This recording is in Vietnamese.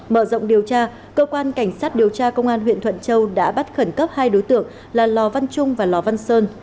mở rộng điều tra cơ quan cảnh sát điều tra công an huyện thuận châu đã bắt khẩn cấp hai đối tượng là lò văn trung và lò văn sơn